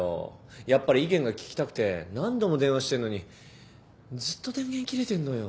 やっぱり意見が聞きたくて何度も電話してんのにずっと電源切れてんのよ。